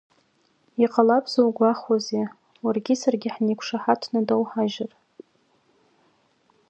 Иҟалап зугәахәуазеи, уаргьы саргьы ҳнеиқәшаҳаҭханы доуҳажьыр.